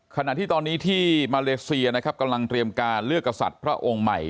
ขณะที่ตอนนี้ที่มาเลเซียนะครับกำลังเตรียมการเลือกกษัตริย์พระองค์ใหม่